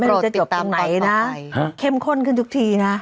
ไม่รู้จะจบตรงไหนนะเข้มข้นขึ้นทุกทีนะ